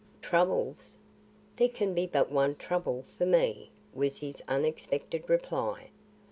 "Troubles? There can be but one trouble for me," was his unexpected reply.